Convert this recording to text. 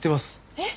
えっ？